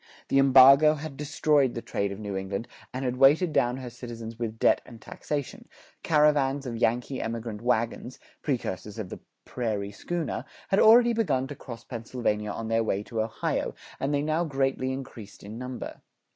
The embargo had destroyed the trade of New England, and had weighted down her citizens with debt and taxation; caravans of Yankee emigrant wagons, precursors of the "prairie schooner," had already begun to cross Pennsylvania on their way to Ohio; and they now greatly increased in number.